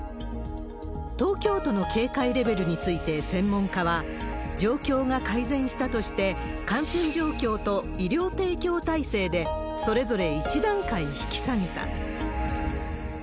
東京都の警戒レベルについて、専門家は、状況が改善したとして、感染状況と医療提供体制でそれぞれ１段階引き下げた。